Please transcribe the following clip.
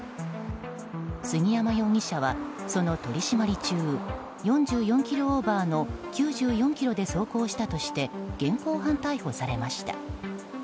杉山容疑者は、その取り締まり中４４キロオーバーの９４キロで走行したとして現行犯逮捕されました。